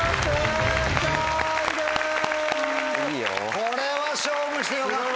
これは勝負してよかった。